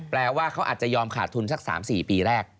แปลว่าเขาอาจจะยอมขาดทุนสัก๓๔ปีแรก